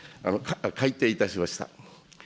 改定いたしました。